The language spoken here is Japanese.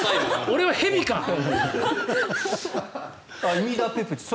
イミダペプチド。